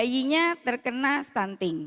bayinya terkena stunting